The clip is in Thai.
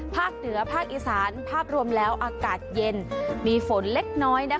ภาคเหนือภาคอีสานภาพรวมแล้วอากาศเย็นมีฝนเล็กน้อย